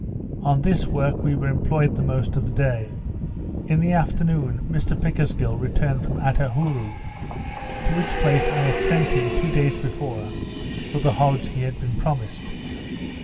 On this work we were employed the most of the day. In the afternoon, Mr Pickersgill returned from Attahourou; to which place I had sent him, two days before, for the hogs he had been promised.